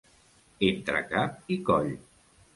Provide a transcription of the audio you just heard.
Entre cap i coll.